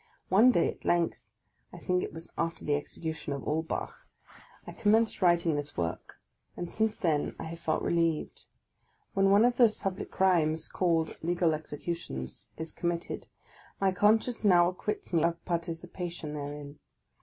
One day at length — I think it was after the execution of Ulbach — I commenced writing this work ; and since then I have felt re lieved. When one of those public crimes called legal execu tions is committed, my conscience now acquits me of partici pation therein.